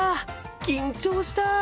緊張した。